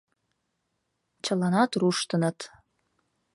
Чыланат руштыныт.